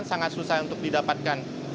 sangat susah untuk didapatkan